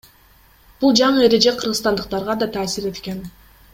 Бул жаңы эреже кыргызстандыктарга да таасир эткен.